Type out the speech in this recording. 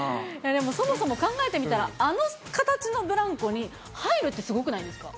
でも、そもそも考えてみたら、あの形のブランコに入るってすごくないですか。